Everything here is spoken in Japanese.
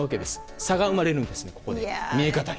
差が生まれるんです、見え方に。